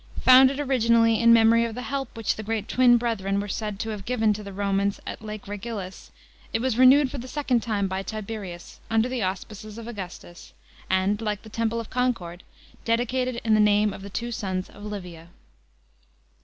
Founded originally in memory of the help which the great twin brethren were said to have given to the Romans at Lake Regillus it was renewed for the second time by Tiberius, under the auspices of Augustus, and, like the Temple of Concord, dedicated in the name of the two sons of Li via.